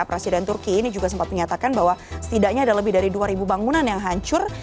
presiden turki ini juga sempat menyatakan bahwa setidaknya ada lebih dari dua bangunan yang hancur